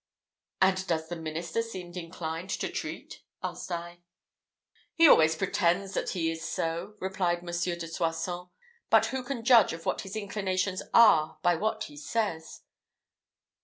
"And does the minister seem inclined to treat?" asked I. "He always pretends that he is so," replied Monsieur de Soissons. "But who can judge of what his inclinations are by what he says?